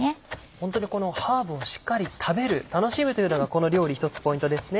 ホントにこのハーブをしっかり食べる楽しむというのがこの料理一つポイントですね。